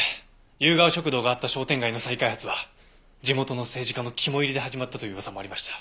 ゆうがお食堂があった商店街の再開発は地元の政治家の肝煎りで始まったという噂もありました。